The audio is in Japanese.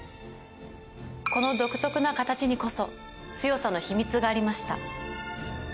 この独特な形にこそ強さの秘密がありました。